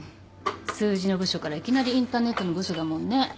数字の部署からいきなりインターネットの部署だもんね。